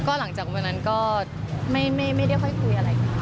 ก็หลังจากวันนั้นก็ไม่ค่อยคุยยังอะไร